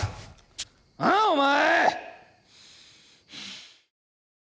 ああお前！